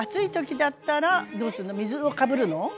水をかぶるの？